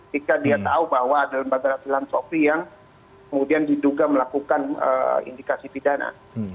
jika dia tahu bahwa ada lembaga filansopi yang kemudian diduga melakukan indikasi pidana